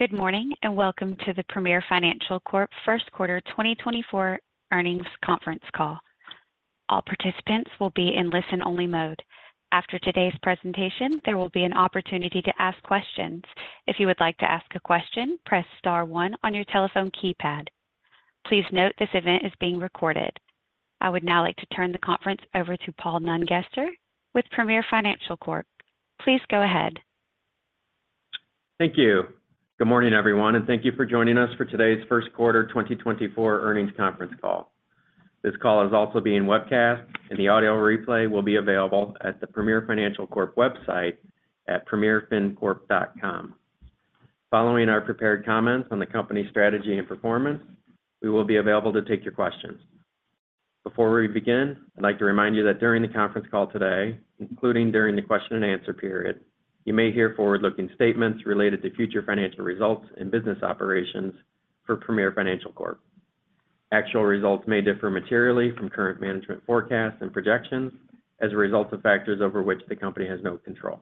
Good morning and welcome to the Premier Financial Corp first quarter 2024 earnings conference call. All participants will be in listen-only mode. After today's presentation, there will be an opportunity to ask questions. If you would like to ask a question, press star one on your telephone keypad. Please note this event is being recorded. I would now like to turn the conference over to Paul Nungester with Premier Financial Corp. Please go ahead. Thank you. Good morning, everyone, and thank you for joining us for today's first quarter 2024 earnings conference call. This call is also being webcast, and the audio replay will be available at the Premier Financial Corp website at premierfincorp.com. Following our prepared comments on the company's strategy and performance, we will be available to take your questions. Before we begin, I'd like to remind you that during the conference call today, including during the question-and-answer period, you may hear forward-looking statements related to future financial results and business operations for Premier Financial Corp. Actual results may differ materially from current management forecasts and projections as a result of factors over which the company has no control.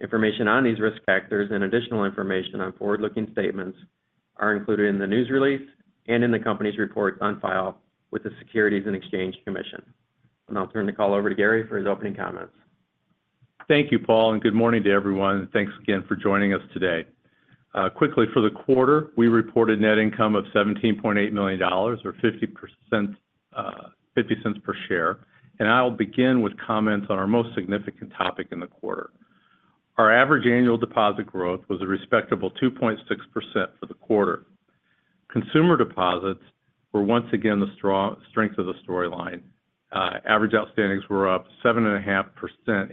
Information on these risk factors and additional information on forward-looking statements are included in the news release and in the company's reports on file with the Securities and Exchange Commission. I'll turn the call over to Gary for his opening comments. Thank you, Paul, and good morning to everyone. Thanks again for joining us today. Quickly, for the quarter, we reported net income of $17.8 million or $0.50 per share. I'll begin with comments on our most significant topic in the quarter. Our average annual deposit growth was a respectable 2.6% for the quarter. Consumer deposits were once again the strength of the storyline. Average outstandings were up 7.5%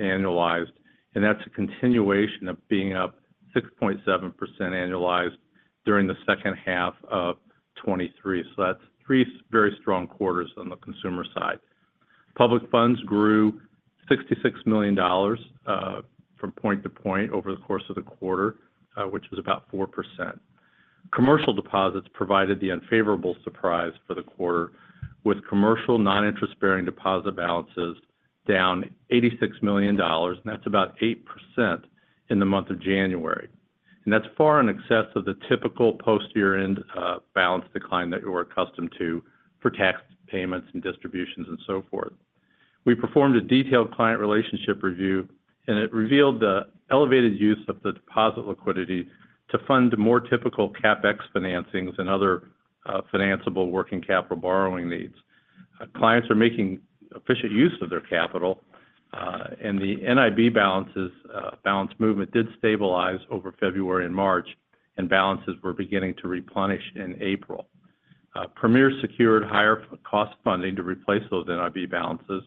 annualized, and that's a continuation of being up 6.7% annualized during the second half of 2023. That's three very strong quarters on the consumer side. Public funds grew $66 million from point to point over the course of the quarter, which is about 4%. Commercial deposits provided the unfavorable surprise for the quarter, with commercial non-interest-bearing deposit balances down $86 million, and that's about 8% in the month of January. That's far in excess of the typical post-year-end balance decline that you're accustomed to for tax payments and distributions and so forth. We performed a detailed client relationship review, and it revealed the elevated use of the deposit liquidity to fund more typical CapEx financings and other financeable working capital borrowing needs. Clients are making efficient use of their capital, and the NIB balance movement did stabilize over February and March, and balances were beginning to replenish in April. Premier secured higher-cost funding to replace those NIB balances,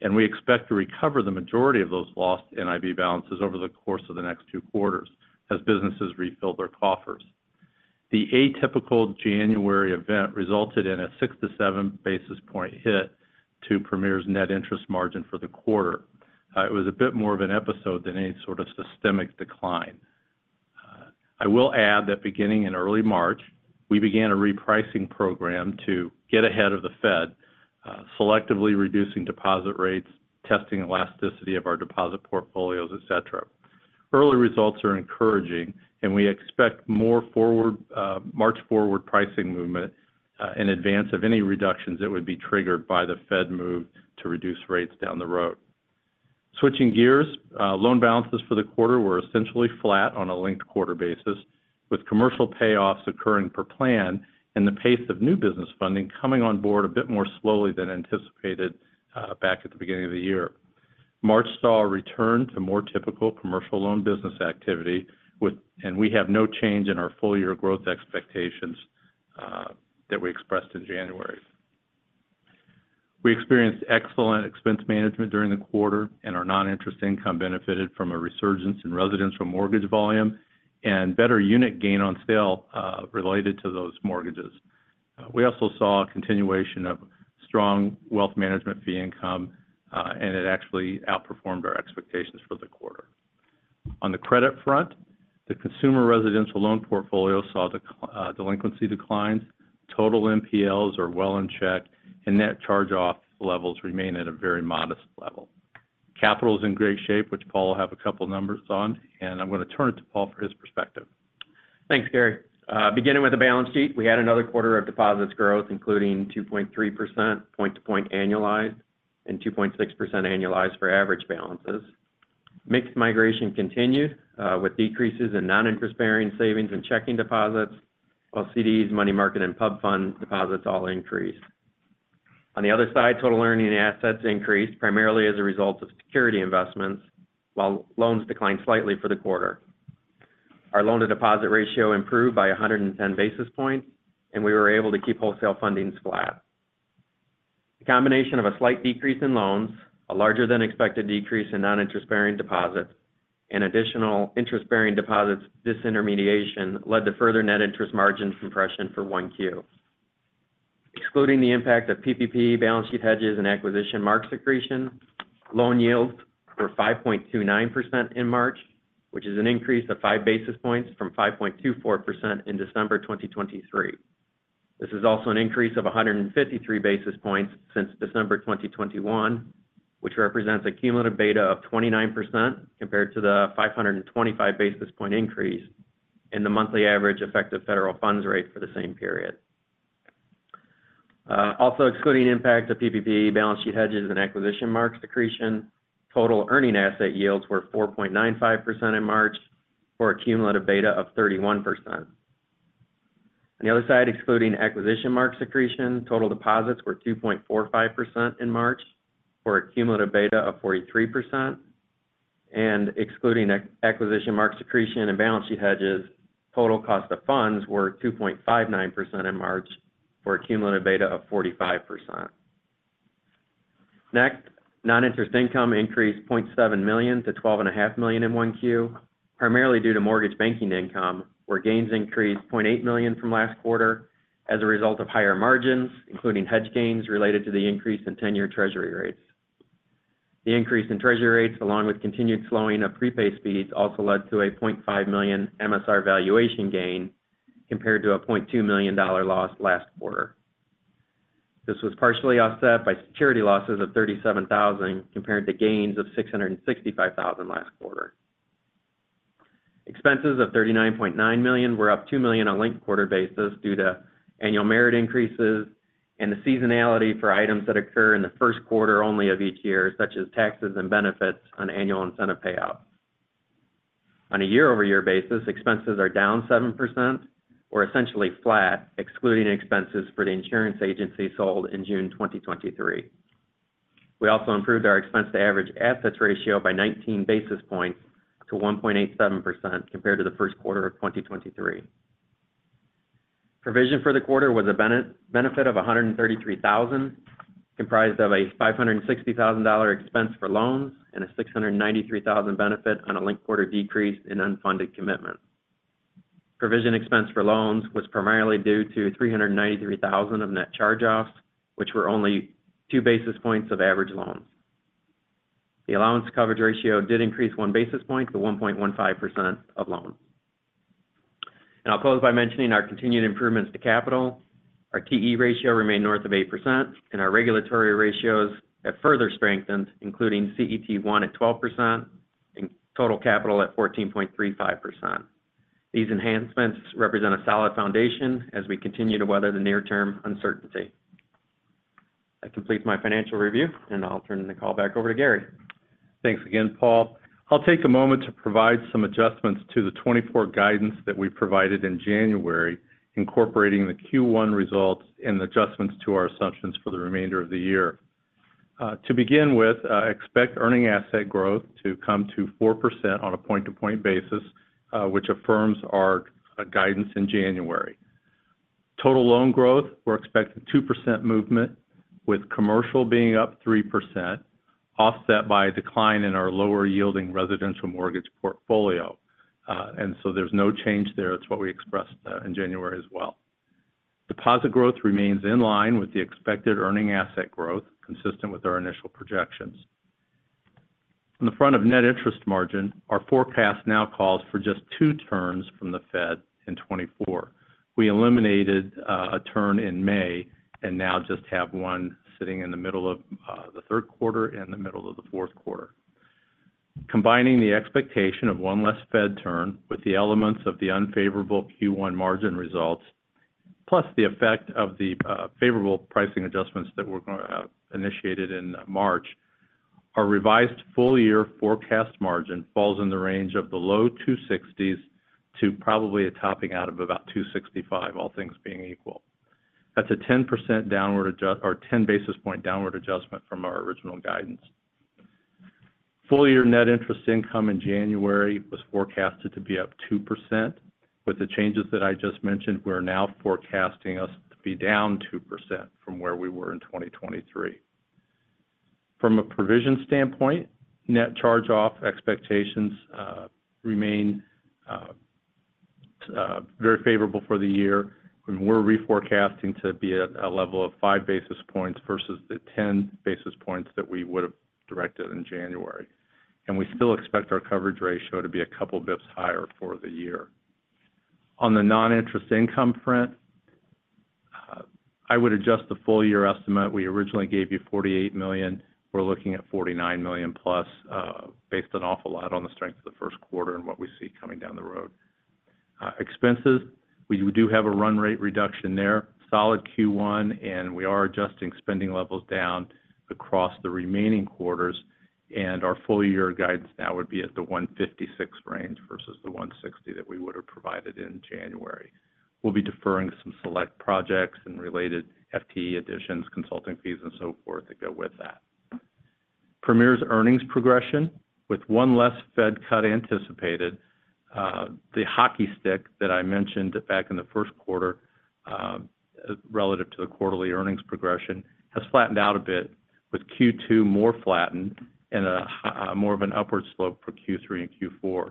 and we expect to recover the majority of those lost NIB balances over the course of the next two quarters as businesses refill their coffers. The atypical January event resulted in a six to seven basis point hit to Premier's net interest margin for the quarter. It was a bit more of an episode than any sort of systemic decline. I will add that beginning in early March, we began a repricing program to get ahead of the Fed, selectively reducing deposit rates, testing elasticity of our deposit portfolios, etc. Early results are encouraging, and we expect more March-forward pricing movement in advance of any reductions that would be triggered by the Fed move to reduce rates down the road. Switching gears, loan balances for the quarter were essentially flat on a linked quarter basis, with commercial payoffs occurring per plan and the pace of new business funding coming on board a bit more slowly than anticipated back at the beginning of the year. March saw a return to more typical commercial loan business activity, and we have no change in our full-year growth expectations that we expressed in January. We experienced excellent expense management during the quarter, and our non-interest income benefited from a resurgence in residential mortgage volume and better unit gain on sale related to those mortgages. We also saw a continuation of strong wealth management fee income, and it actually outperformed our expectations for the quarter. On the credit front, the consumer residential loan portfolio saw delinquency declines, total NPLs are well in check, and net charge-off levels remain at a very modest level. Capital is in great shape, which Paul will have a couple of numbers on, and I'm going to turn it to Paul for his perspective. Thanks, Gary. Beginning with the balance sheet, we had another quarter of deposits growth, including 2.3% point-to-point annualized and 2.6% annualized for average balances. Mixed migration continued with decreases in non-interest-bearing savings and checking deposits, while CDs, money market, and public fund deposits all increased. On the other side, total earning assets increased primarily as a result of security investments, while loans declined slightly for the quarter. Our loan-to-deposit ratio improved by 110 basis points, and we were able to keep wholesale fundings flat. The combination of a slight decrease in loans, a larger-than-expected decrease in non-interest-bearing deposits, and additional interest-bearing deposits disintermediation led to further net interest margin compression for 1Q. Excluding the impact of PPP, balance sheet hedges, and acquisition mark accretion, loan yields were 5.29% in March, which is an increase of five basis points from 5.24% in December 2023. This is also an increase of 153 basis points since December 2021, which represents a cumulative beta of 29% compared to the 525 basis point increase in the monthly average effective federal funds rate for the same period. Also excluding impact of PPP, balance sheet hedges, and acquisition mark accretion, total earning asset yields were 4.95% in March for a cumulative beta of 31%. On the other side, excluding acquisition mark accretion, total deposits were 2.45% in March for a cumulative beta of 43%. Excluding acquisition mark accretion and balance sheet hedges, total cost of funds were 2.59% in March for a cumulative beta of 45%. Next, non-interest income increased $0.7 million-$12.5 million in 1Q, primarily due to mortgage banking income, where gains increased $0.8 million from last quarter as a result of higher margins, including hedge gains related to the increase in 10-year Treasury rates. The increase in treasury rates, along with continued slowing of prepay speeds, also led to a $0.5 million MSR valuation gain compared to a $0.2 million loss last quarter. This was partially offset by security losses of $37,000 compared to gains of $665,000 last quarter. Expenses of $39.9 million were up $2 million on linked quarter basis due to annual merit increases and the seasonality for items that occur in the first quarter only of each year, such as taxes and benefits on annual incentive payouts. On a year-over-year basis, expenses are down 7%, or essentially flat, excluding expenses for the insurance agency sold in June 2023. We also improved our expense-to-average assets ratio by 19 basis points to 1.87% compared to the first quarter of 2023. Provision for the quarter was a benefit of $133,000, comprised of a $560,000 expense for loans and a $693,000 benefit on a linked quarter decrease in unfunded commitments. Provision expense for loans was primarily due to $393,000 of net charge-offs, which were only two basis points of average loans. The allowance coverage ratio did increase one basis point to 1.15% of loans. I'll close by mentioning our continued improvements to capital. Our TE ratio remained north of 8%, and our regulatory ratios have further strengthened, including CET1 at 12% and total capital at 14.35%. These enhancements represent a solid foundation as we continue to weather the near-term uncertainty. That completes my financial review, and I'll turn the call back over to Gary. Thanks again, Paul. I'll take a moment to provide some adjustments to the 2024 guidance that we provided in January, incorporating the Q1 results and adjustments to our assumptions for the remainder of the year. To begin with, expect earning asset growth to come to 4% on a point-to-point basis, which affirms our guidance in January. Total loan growth, we're expecting 2% movement, with commercial being up 3%, offset by a decline in our lower-yielding residential mortgage portfolio. So there's no change there. It's what we expressed in January as well. Deposit growth remains in line with the expected earning asset growth, consistent with our initial projections. On the front of net interest margin, our forecast now calls for just two turns from the Fed in 2024. We eliminated a turn in May and now just have one sitting in the middle of the third quarter and the middle of the fourth quarter. Combining the expectation of one less Fed turn with the elements of the unfavorable Q1 margin results, plus the effect of the favorable pricing adjustments that were initiated in March, our revised full-year forecast margin falls in the range of the low 260s to probably a topping out of about 265, all things being equal. That's a 10 basis point downward adjustment from our original guidance. Full-year net interest income in January was forecasted to be up 2%. With the changes that I just mentioned, we're now forecasting us to be down 2% from where we were in 2023. From a provision standpoint, net charge-off expectations remain very favorable for the year, and we're reforecasting to be at a level of five basis points versus the 10 basis points that we would have directed in January. We still expect our coverage ratio to be a couple basis points higher for the year. On the non-interest income front, I would adjust the full-year estimate. We originally gave you $48 million. We're looking at $49 million+, based an awful lot on the strength of the first quarter and what we see coming down the road. Expenses, we do have a run rate reduction there, solid Q1, and we are adjusting spending levels down across the remaining quarters. Our full-year guidance now would be at the $156 million range versus the $160 million that we would have provided in January. We'll be deferring some select projects and related FTE additions, consulting fees, and so forth that go with that. Premier's earnings progression, with one less Fed cut anticipated, the hockey stick that I mentioned back in the first quarter relative to the quarterly earnings progression has flattened out a bit, with Q2 more flattened and more of an upward slope for Q3 and Q4.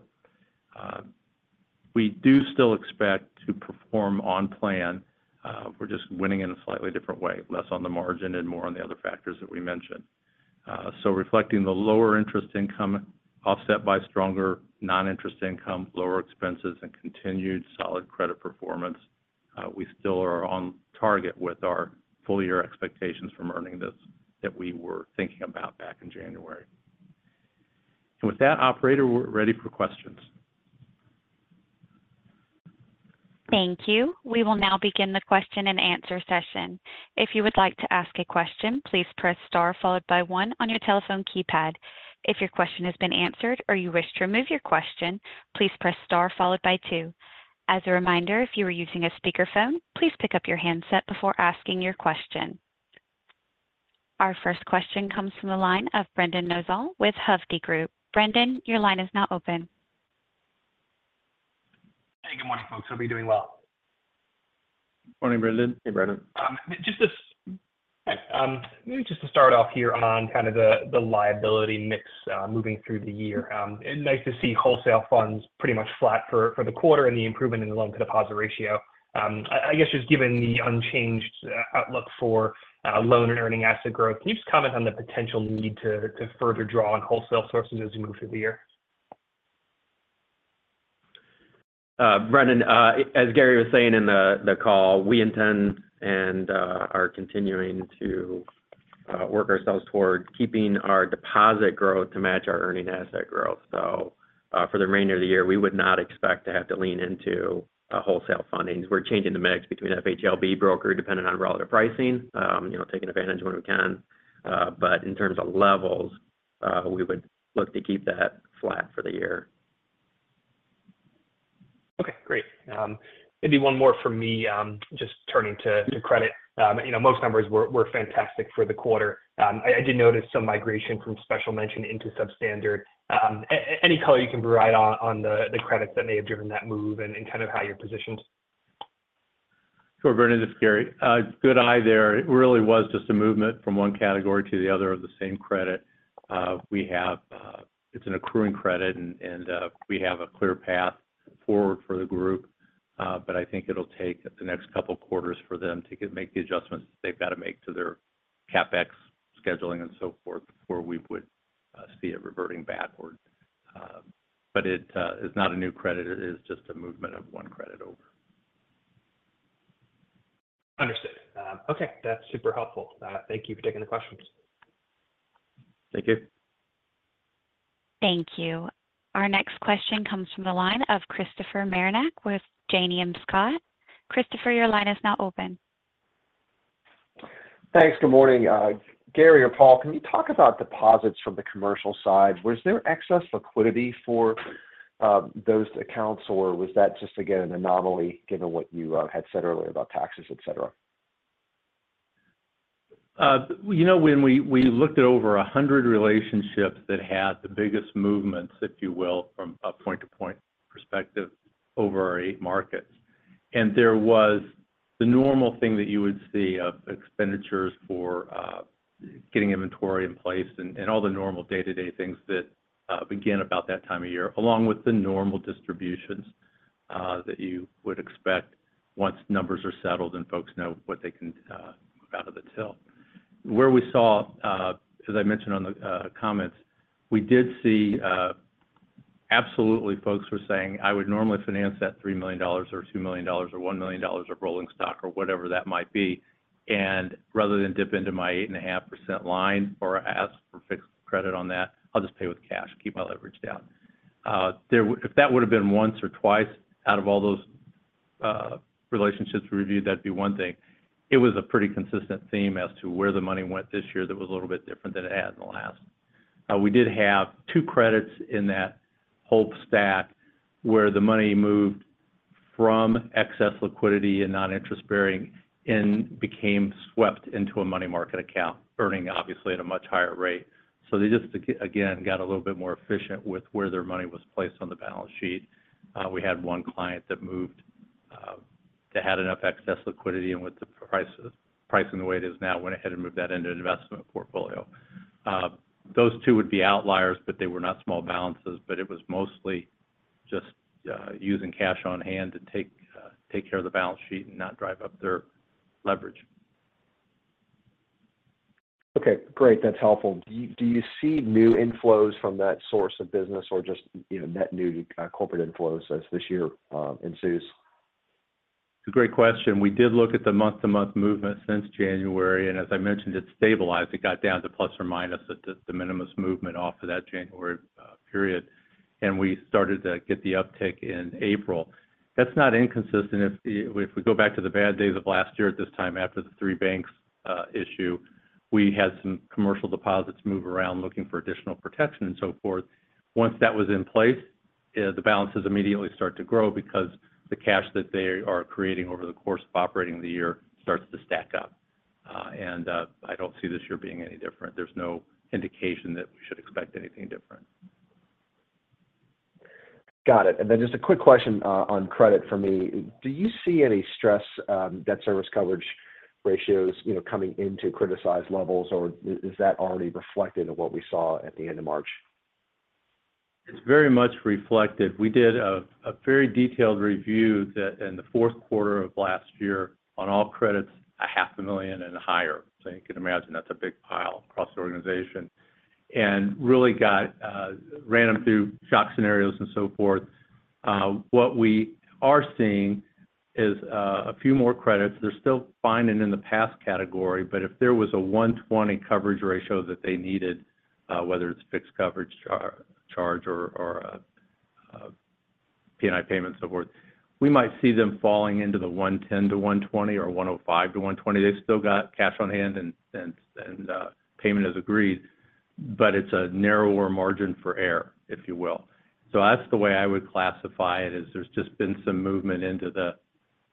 We do still expect to perform on plan. We're just winning in a slightly different way, less on the margin and more on the other factors that we mentioned. So reflecting the lower interest income offset by stronger non-interest income, lower expenses, and continued solid credit performance, we still are on target with our full-year expectations from earnings that we were thinking about back in January. And with that, operator, we're ready for questions. Thank you. We will now begin the question-and-answer session. If you would like to ask a question, please press star followed by one on your telephone keypad. If your question has been answered or you wish to remove your question, please press star followed by two. As a reminder, if you were using a speakerphone, please pick up your handset before asking your question. Our first question comes from the line of Brendan Nosal with Hovde Group. Brendan, your line is now open. Hey. Good morning, folks. Hope you're doing well. Morning, Brendan. Hey, Brendan. Maybe just to start off here on kind of the liability mix moving through the year. Nice to see wholesale funds pretty much flat for the quarter and the improvement in the loan-to-deposit ratio. I guess just given the unchanged outlook for loan and earning asset growth, can you just comment on the potential need to further draw on wholesale sources as we move through the year? Brendan, as Gary was saying in the call, we intend and are continuing to work ourselves toward keeping our deposit growth to match our earning asset growth. So for the remainder of the year, we would not expect to have to lean into wholesale fundings. We're changing the mix between FHLB, brokered depending on relative pricing, taking advantage when we can. But in terms of levels, we would look to keep that flat for the year. Okay. Great. Maybe one more from me, just turning to credit. Most numbers were fantastic for the quarter. I did notice some migration from special mention into substandard. Any color you can provide on the credits that may have driven that move and kind of how you're positioned? Sure, Brendan. This is Gary. Good eye there. It really was just a movement from one category to the other of the same credit. It's an accruing credit, and we have a clear path forward for the group. But I think it'll take the next couple of quarters for them to make the adjustments that they've got to make to their CapEx scheduling and so forth before we would see it reverting backward. But it is not a new credit. It is just a movement of one credit over. Understood. Okay. That's super helpful. Thank you for taking the questions. Thank you. Thank you. Our next question comes from the line of Christopher Marinac with Janney Montgomery Scott. Christopher, your line is now open. Thanks. Good morning. Gary or Paul, can you talk about deposits from the commercial side? Was there excess liquidity for those accounts, or was that just, again, an anomaly given what you had said earlier about taxes, etc.? When we looked at over 100 relationships that had the biggest movements, if you will, from a point-to-point perspective over our eight markets, and there was the normal thing that you would see of expenditures for getting inventory in place and all the normal day-to-day things that begin about that time of year, along with the normal distributions that you would expect once numbers are settled and folks know what they can move out of the till. Where we saw, as I mentioned on the comments, we did see absolutely, folks were saying, "I would normally finance that $3 million or $2 million or $1 million of rolling stock or whatever that might be. And rather than dip into my 8.5% line or ask for fixed credit on that, I'll just pay with cash, keep my leverage down." If that would have been once or twice out of all those relationships we reviewed, that'd be one thing. It was a pretty consistent theme as to where the money went this year that was a little bit different than it had in the last. We did have two credits in that whole stack where the money moved from excess liquidity and non-interest bearing and became swept into a money market account, earning, obviously, at a much higher rate. So they just, again, got a little bit more efficient with where their money was placed on the balance sheet. We had one client that moved that had enough excess liquidity and with the pricing the way it is now, went ahead and moved that into an investment portfolio. Those two would be outliers, but they were not small balances. But it was mostly just using cash on hand to take care of the balance sheet and not drive up their leverage. Okay. Great. That's helpful. Do you see new inflows from that source of business or just net new corporate inflows as this year ensues? Great question. We did look at the month-to-month movement since January. As I mentioned, it stabilized. It got down to plus or minus the minimum movement off of that January period. We started to get the uptick in April. That's not inconsistent. If we go back to the bad days of last year at this time, after the three banks issue, we had some commercial deposits move around looking for additional protection and so forth. Once that was in place, the balances immediately start to grow because the cash that they are creating over the course of operating the year starts to stack up. I don't see this year being any different. There's no indication that we should expect anything different. Got it. And then just a quick question on credit for me. Do you see any stress debt service coverage ratios coming into criticized levels, or is that already reflected in what we saw at the end of March? It's very much reflected. We did a very detailed review in the fourth quarter of last year on all credits, $500,000 and higher. So you can imagine that's a big pile across the organization and really ran them through shock scenarios and so forth. What we are seeing is a few more credits. They're still fine in the past category. But if there was a 120 coverage ratio that they needed, whether it's fixed coverage charge or P&I payment and so forth, we might see them falling into the 110-120 or 105-120. They still got cash on hand and payment is agreed. But it's a narrower margin for error, if you will. So that's the way I would classify it, is there's just been some movement into the,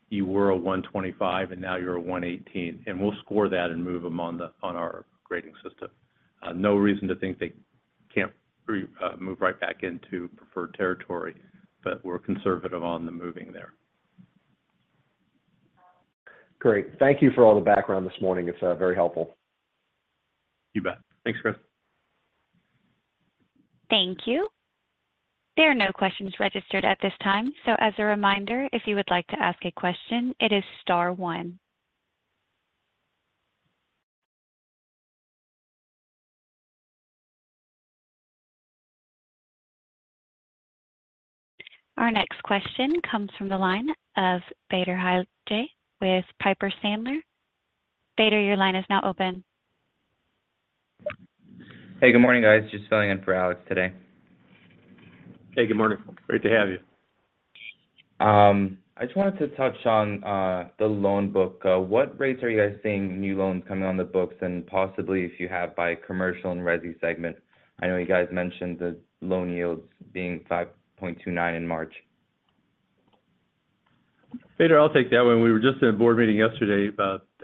"You were a 125, and now you're a 118." And we'll score that and move them on our grading system. No reason to think they can't move right back into preferred territory, but we're conservative on the moving there. Great. Thank you for all the background this morning. It's very helpful. You bet. Thanks, Chris. Thank you. There are no questions registered at this time. As a reminder, if you would like to ask a question, it is star one. Our next question comes from the line of Bader Hijleh with Piper Sandler. Bader, your line is now open. Hey. Good morning, guys. Just filling in for Alex today. Hey. Good morning. Great to have you. I just wanted to touch on the loan book. What rates are you guys seeing new loans coming on the books and possibly, if you have, by commercial and resi segment? I know you guys mentioned the loan yields being 5.29% in March. Bader, I'll take that one. We were just in a board meeting yesterday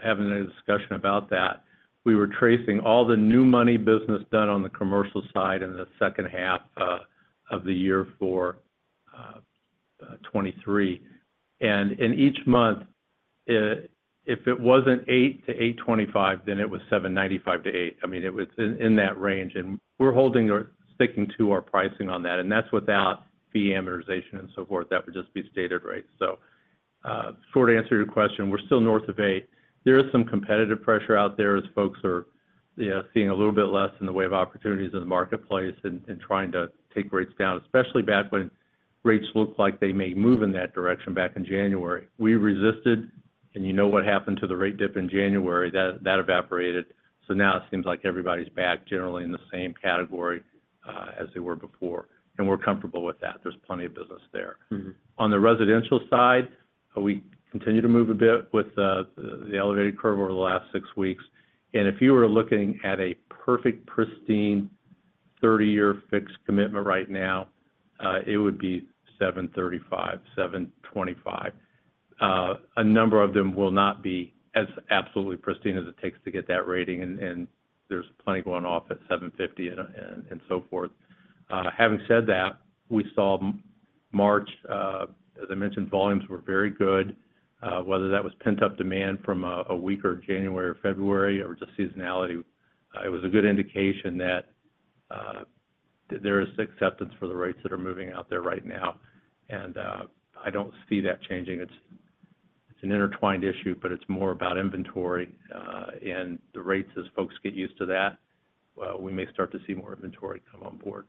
having a discussion about that. We were tracing all the new money business done on the commercial side in the second half of the year for 2023. And in each month, if it wasn't 8%-8.25%, then it was 7.95%-8%. I mean, it was in that range. And we're sticking to our pricing on that. And that's without amortization and so forth. That would just be stated rates. So short answer to your question, we're still north of 8%. There is some competitive pressure out there as folks are seeing a little bit less in the wave of opportunities in the marketplace and trying to take rates down, especially back when rates looked like they may move in that direction back in January. We resisted. You know what happened to the rate dip in January. That evaporated. So now it seems like everybody's back generally in the same category as they were before. And we're comfortable with that. There's plenty of business there. On the residential side, we continue to move a bit with the elevated curve over the last six weeks. And if you were looking at a perfect, pristine 30-year fixed commitment right now, it would be 7.35, 7.25. A number of them will not be as absolutely pristine as it takes to get that rating. And there's plenty going off at 7.50 and so forth. Having said that, we saw March, as I mentioned, volumes were very good. Whether that was pent-up demand from a weaker January or February or just seasonality, it was a good indication that there is acceptance for the rates that are moving out there right now. I don't see that changing. It's an intertwined issue, but it's more about inventory. The rates, as folks get used to that, we may start to see more inventory come on board.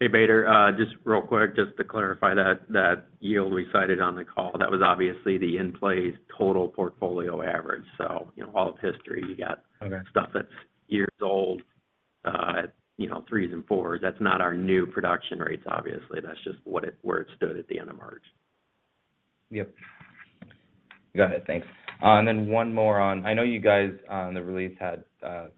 Hey, Bader. Just real quick, just to clarify that yield we cited on the call, that was obviously the in-play total portfolio average. So all of history, you got stuff that's years old, threes and fours. That's not our new production rates, obviously. That's just where it stood at the end of March. Yep. Got it. Thanks. And then one more on, I know you guys on the release had the,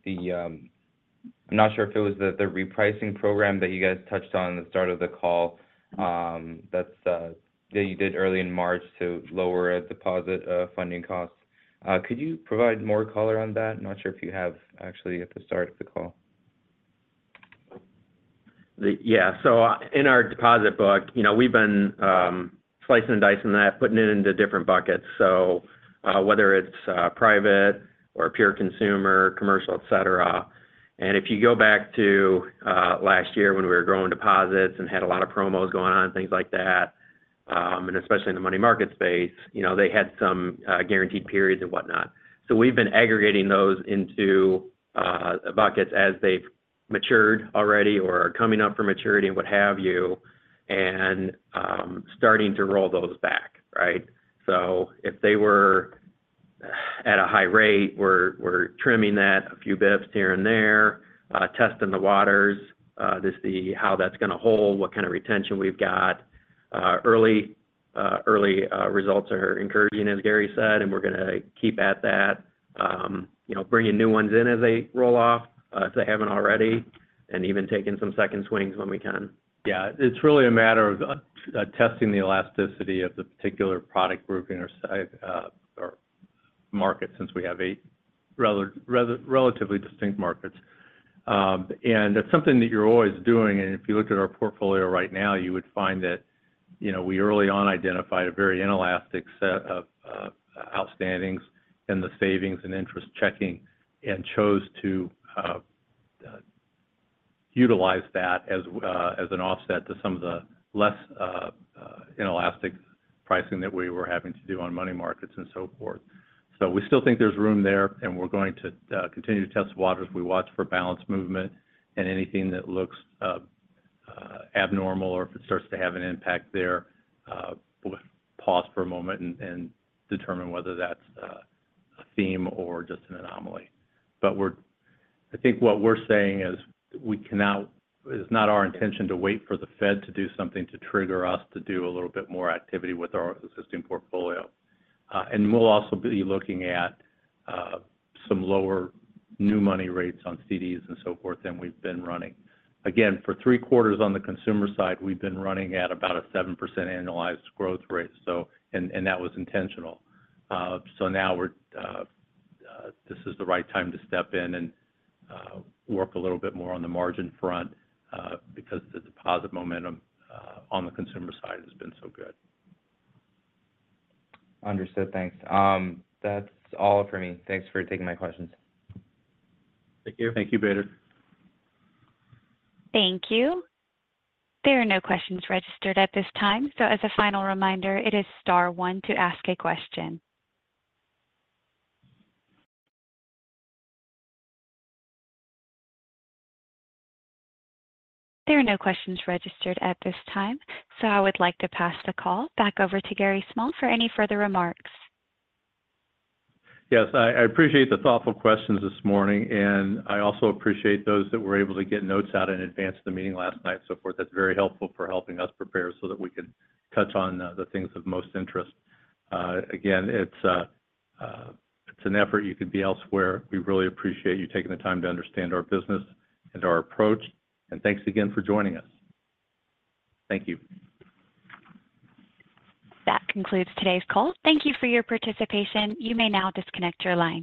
I'm not sure if it was the repricing program that you guys touched on in the start of the call that you did early in March to lower deposit funding costs. Could you provide more color on that? Not sure if you have actually at the start of the call. Yeah. So in our deposit book, we've been slicing and dicing that, putting it into different buckets, so whether it's private or pure consumer, commercial, etc. And if you go back to last year when we were growing deposits and had a lot of promos going on and things like that, and especially in the money market space, they had some guaranteed periods and whatnot. So we've been aggregating those into buckets as they've matured already or are coming up for maturity and what have you and starting to roll those back, right? So if they were at a high rate, we're trimming that a few basis points here and there, testing the waters, just how that's going to hold, what kind of retention we've got. Early results are encouraging, as Gary said, and we're going to keep at that, bringing new ones in as they roll off if they haven't already, and even taking some second swings when we can. Yeah. It's really a matter of testing the elasticity of the particular product grouping or market since we have eight relatively distinct markets. That's something that you're always doing. If you look at our portfolio right now, you would find that we early on identified a very inelastic set of outstandings in the savings and interest checking and chose to utilize that as an offset to some of the less inelastic pricing that we were having to do on money markets and so forth. We still think there's room there, and we're going to continue to test waters. We watch for balance movement and anything that looks abnormal or if it starts to have an impact there, we'll pause for a moment and determine whether that's a theme or just an anomaly. But I think what we're saying is it's not our intention to wait for the Fed to do something to trigger us to do a little bit more activity with our existing portfolio. We'll also be looking at some lower new money rates on CDs and so forth than we've been running. Again, for three-quarters on the consumer side, we've been running at about a 7% annualized growth rate, and that was intentional. Now this is the right time to step in and work a little bit more on the margin front because the deposit momentum on the consumer side has been so good. Understood. Thanks. That's all for me. Thanks for taking my questions. Thank you. Thank you, Bader. Thank you. There are no questions registered at this time. So as a final reminder, it is star one to ask a question. There are no questions registered at this time. So I would like to pass the call back over to Gary Small for any further remarks. Yes. I appreciate the thoughtful questions this morning, and I also appreciate those that were able to get notes out in advance of the meeting last night and so forth. That's very helpful for helping us prepare so that we can touch on the things of most interest. Again, it's an effort you could be elsewhere. We really appreciate you taking the time to understand our business and our approach. Thanks again for joining us. Thank you. That concludes today's call. Thank you for your participation. You may now disconnect your line.